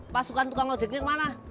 pasukan tukang lojeknya kemana